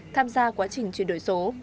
tham gia quá trình chuyển đổi số